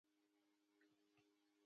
هغه لاسرسی نلري او په خپله محروم دی.